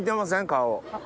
顔。